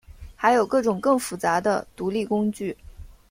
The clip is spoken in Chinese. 还有各种更复杂的独立工具。